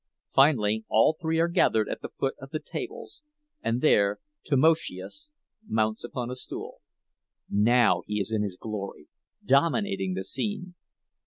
Finally all three are gathered at the foot of the tables, and there Tamoszius mounts upon a stool. Now he is in his glory, dominating the scene.